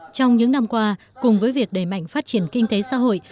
trong những năm qua cùng với việc đẩy mạnh phát triển kinh tế xã hội